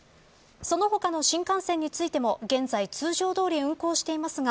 その他の新幹線についても現在、通常どおり運行していますが